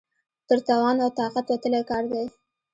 تر توان او طاقت وتلی کار دی.